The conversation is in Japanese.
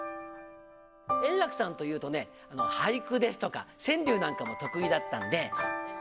円楽さんというとね、俳句ですとか川柳なんかも得意だったので。